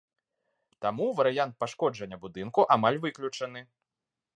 Таму варыянт пашкоджання будынку амаль выключаны.